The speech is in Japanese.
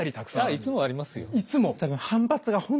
いつもありますよ。